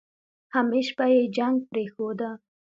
همېش به يې جنګ پرېښوده.